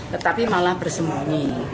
tetapi malah bersembunyi